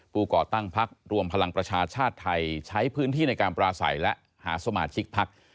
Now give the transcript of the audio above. ปู่ก่อตั้งภักษ์รวมพลังประชาชาติไทยใช้พื้นที่ในการประสัยและหาสมัครสิทธิ์ภักษ์